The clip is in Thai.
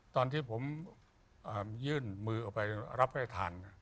ตอนที่ผมยื่นมือออกไปรับให้ท่าน